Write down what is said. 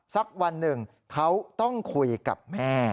สักวันหนึ่งเขาต้องคุยกับแม่